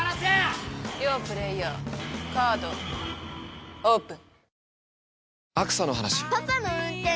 両プレーヤーカードオープン。